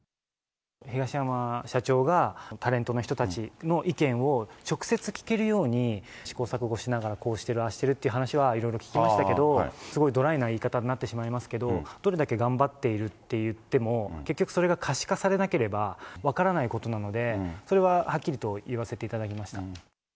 東山社長がタレントの人たちの意見を直接聞けるように、試行錯誤しながら、こうしてる、ああしてるって話は聞きましたけれども、すごいドライな言い方になってしまいますけど、どれだけ頑張っているって言っても、結局それが可視化されなければ分からないことなので、それははっきりと言わせていただきました。